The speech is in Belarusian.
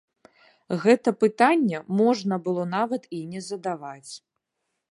Гэта пытанне можна было нават і не задаваць!